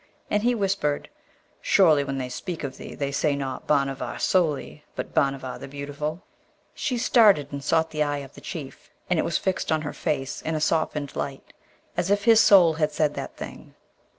And he whispered, 'Surely when they speak of thee they say not Bhanavar solely, but Bhanavar the Beautiful?' She started and sought the eye of the Chief, and it was fixed on her face in a softened light, as if his soul had said that thing.